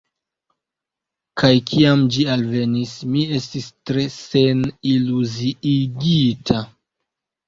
Kaj kiam ĝi alvenis, mi estis tre seniluziigita.